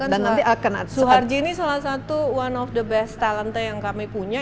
bahkan suharji ini salah satu talenta terbaik yang kami punya